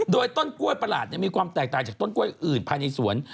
โดยต้นกล้วยประหลาดมีความแตกต่างจากต้นกล้วยอื่นภายในสวน